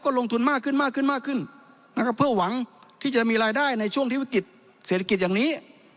ลงทุนมากขึ้นมากขึ้นมากขึ้นนะครับเพื่อหวังที่จะมีรายได้ในช่วงที่วิกฤตเศรษฐกิจอย่างนี้